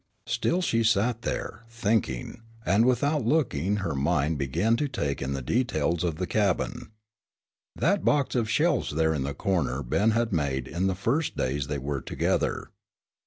Still she sat there, thinking, and without looking her mind began to take in the details of the cabin. That box of shelves there in the corner Ben had made in the first days they were together.